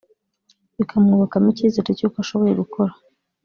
bikamwubakamo icyizere cy’uko ashoboye gukora